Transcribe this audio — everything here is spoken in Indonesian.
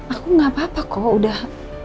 aku gak apa apa kok udah